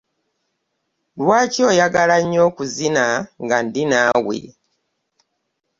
Lwaki oyagala nnyo okuzina nga ndi naawe?